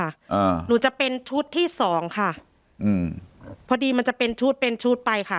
อ่าหนูจะเป็นชุดที่สองค่ะอืมพอดีมันจะเป็นชุดเป็นชุดไปค่ะ